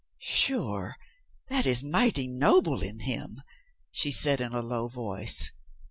"Sure, that is mighty noble in him," she said in a low voice.